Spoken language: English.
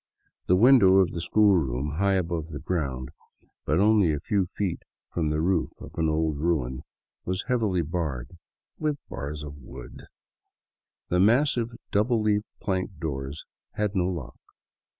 The; window of the school room, high above the ground, but only a few feet from the roof of an old ruin, was heavily barred — with bars of wood ! The massive double leaf plank doors had no lock.